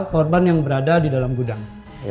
korban yang berada di dalam gudang